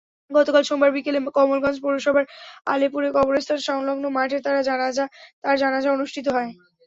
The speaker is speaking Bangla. গতকাল সোমবার বিকেলে কমলগঞ্জ পৌরসভার আলেপুরে কবরস্থান-সংলগ্ন মাঠে তাঁর জানাজা অনুষ্ঠিত হয়।